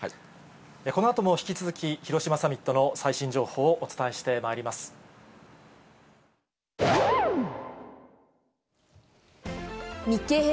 このあとも引き続き、広島サミットの最新情報をお伝えしてまいり「ビオレ」のまさつレス洗顔？